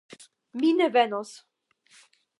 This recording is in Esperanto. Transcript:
Mi ne venos.